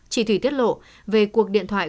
chỉ thủy tiết lộ về cuộc điện thoại